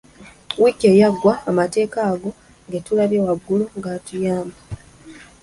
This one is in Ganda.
Wiiki eyaggwa, amateeka ago ge tulabye waggulu gatuyamba.